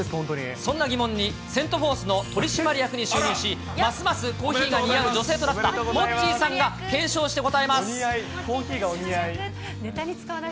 その疑問にセント・フォースの取締役に就任し、ますますコーヒーが似合う女性となったモッチーさんが検証して答コーヒーがお似合い。